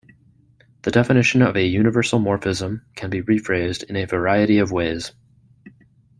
The definition of a universal morphism can be rephrased in a variety of ways.